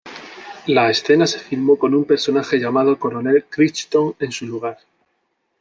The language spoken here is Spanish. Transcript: La escena se filmó con un personaje llamado coronel Crichton en su lugar.